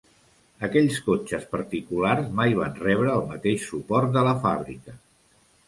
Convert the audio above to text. Aquells cotxes particulars mai van rebre el mateix suport de la fàbrica.